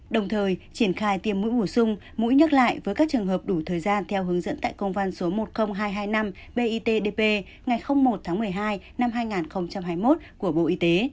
đồng thời triển khai tiêm mũi bổ sung mũi nhắc lại với các trường hợp đủ thời gian theo hướng dẫn tại công văn số một mươi nghìn hai trăm hai mươi năm bitdp ngày một tháng một mươi hai năm hai nghìn hai mươi một của bộ y tế